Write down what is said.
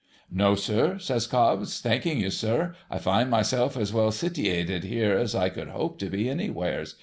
' No, sir,' says Cobbs ;' thanking you, sir, I find myself as well sitiwated here as I could hope to be anywheres.